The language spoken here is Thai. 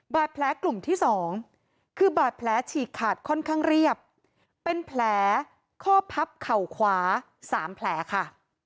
กลุ่มที่๒คือบาดแผลฉีกขาดค่อนข้างเรียบเป็นแผลข้อพับเข่าขวา๓แผลค่ะ